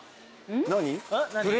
何？